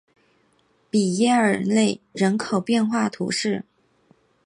比耶尔内人口变化图示